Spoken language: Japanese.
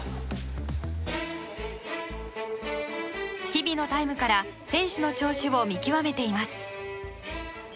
日々のタイムから選手の調子を見極めています。